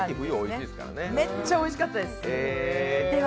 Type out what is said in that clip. めっちゃおいしかったです。